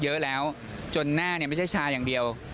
เยอะแล้วจนหน้าไม่ใช่ชาอย่างเดียว